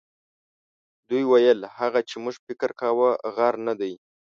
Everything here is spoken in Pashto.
دوی ویل هغه چې موږ فکر کاوه غر نه دی.